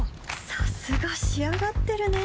さすが仕上がってるね